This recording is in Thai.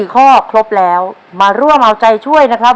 ข้อครบแล้วมาร่วมเอาใจช่วยนะครับ